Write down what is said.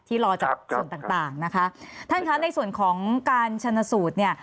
รอจากส่วนต่างต่างนะคะท่านคะในส่วนของการชนสูตรเนี่ย